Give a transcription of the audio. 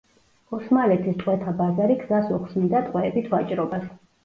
ოსმალეთის ტყვეთა ბაზარი გზას უხსნიდა ტყვეებით ვაჭრობას.